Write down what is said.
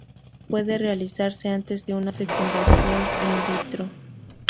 Puede realizarse antes de una fecundación in vitro.